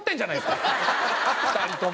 ２人とも。